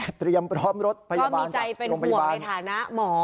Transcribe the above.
ก็มีใจเป็นหัวในฐานะหมอ